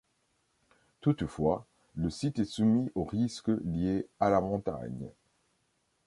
Toutefois, le site est soumis aux risques liés à la montagne.